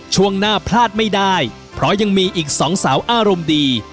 ช่วงหน้าพลาดไม่ได้เพราะยังมีอีกสองสาวอารมณ์ดี